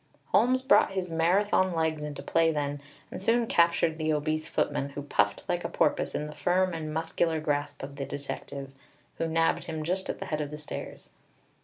Holmes brought his Marathon legs into play then, and soon captured the obese footman, who puffed like a porpoise in the firm and muscular grasp of the detective, who nabbed him just at the head of the stairs.